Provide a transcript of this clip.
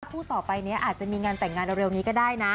คู่ต่อไปนี้อาจจะมีงานแต่งงานเร็วนี้ก็ได้นะ